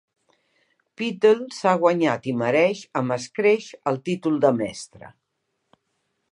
Pittel s'ha guanyat i mereix amb escreix el títol de "mestre".